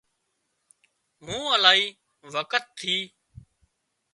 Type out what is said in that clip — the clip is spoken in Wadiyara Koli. مون الاهي وکت ٿِي